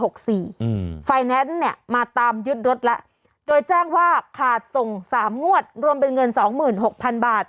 อืมไฟแน้นเนี่ยมาตามยึดรถละโดยจ้างว่าขาดส่ง๓งวดรวมเป็นเงิน๒๖๐๐๐บาท